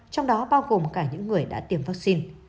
trong đó bao gồm cả những người đã tiêm vaccine